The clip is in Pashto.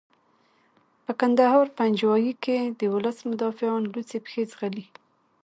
په کندهار پنجوايي کې د ولس مدافعان لوڅې پښې ځغلي.